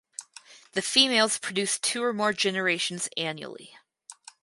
The females produce two or more generations annually.